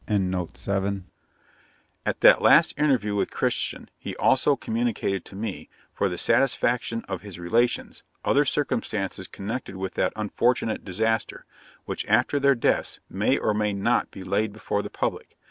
'At that last interview with Christian he also communicated to me, for the satisfaction of his relations, other circumstances connected with that unfortunate disaster, which, after their deaths, may or may not be laid before the public.